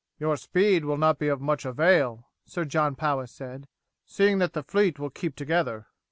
"Your speed will not be of much avail," Sir John Powis said, "seeing that the fleet will keep together."